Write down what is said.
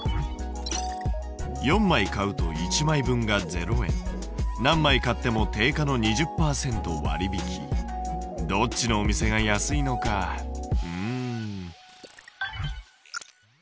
４枚買うと１枚分が０円何枚買っても定価の２０％割引どっちのお店が安いのかうん。